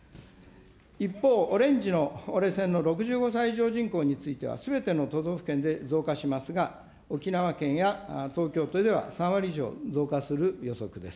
一方、オレンジの折れ線の６５歳以上人口については、すべての都道府県で増加しますが、沖縄県や東京都では３割以上増加する予測です。